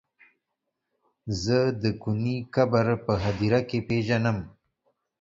زه د کوني قبر په هديره کې پيژنم.